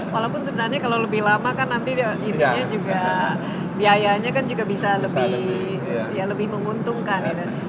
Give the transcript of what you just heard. walaupun sebenarnya kalau lebih lama kan nanti biayanya juga bisa lebih menguntungkan